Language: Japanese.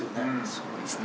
そうですね。